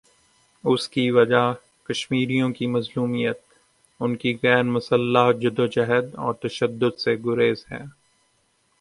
اس کی وجہ کشمیریوں کی مظلومیت، ان کی غیر مسلح جد وجہد اور تشدد سے گریز ہے۔